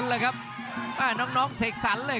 รับทราบบรรดาศักดิ์